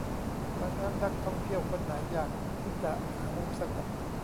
ดังนั้นนักท่องเที่ยวคนไหนอยากที่จะหามุมสงบ